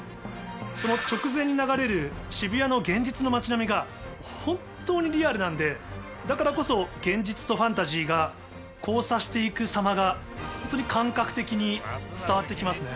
その直前に流れる渋谷の現実の街並みが本当にリアルなんでだからこそ現実とファンタジーが交差して行くさまがホントに感覚的に伝わって来ますね。